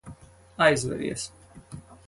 Aizveries.